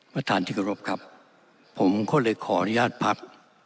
ประธานที่กรบครับผมก็เลยขออนุญาตพัก